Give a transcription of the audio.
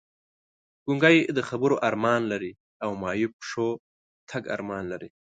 ګونګی د خبرو ارمان لري او معیوب پښو تګ ارمان لري!